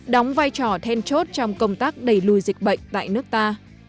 đóng vai trò then chốt trong công tác đẩy lùi dịch bệnh tại nước ta